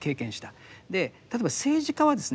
例えば政治家はですね